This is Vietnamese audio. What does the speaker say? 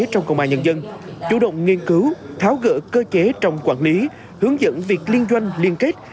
trong công an nhân dân chủ động nghiên cứu tháo gỡ cơ chế trong quản lý hướng dẫn việc liên doanh liên kết